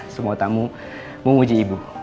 semua tamu memuji ibu